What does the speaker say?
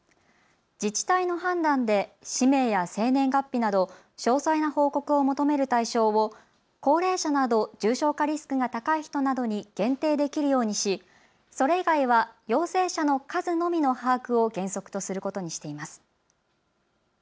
自治体の判断で氏名や生年月日など詳細な報告を求める対象を高齢者など重症化リスクが高い人などに限定できるようにしそれ以外は陽性者の数のみの把握を原則とすることにしています。